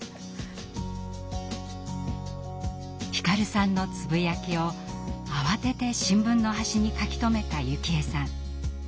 皓さんのつぶやきを慌てて新聞の端に書き留めた幸枝さん。